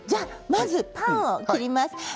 まずパンを切ります。